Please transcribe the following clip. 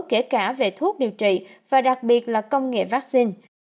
kể cả về thuốc điều trị và đặc biệt là công nghệ vaccine